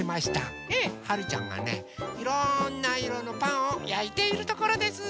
はるちゃんがねいろんないろのパンをやいているところです。